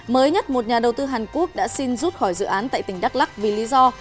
mới nhất một nhà đầu tư hàn quốc đã xin rút khỏi dự án tại tỉnh đắk lắc vì lý do